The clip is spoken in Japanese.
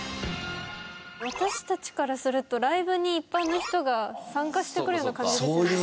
私たちからするとライブに一般の人が参加してくるような感じですよね。